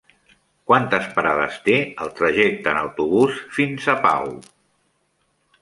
Quantes parades té el trajecte en autobús fins a Pau?